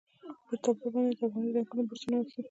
پر تابلو باندې یې د افغاني رنګونو برسونه وهي.